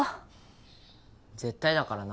絶対だからな。